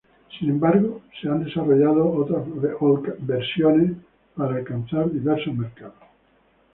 Sin embargo se han desarrollado otras versiones para alcanzar diversos mercados.